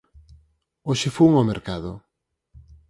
Hoxe fun ao mercado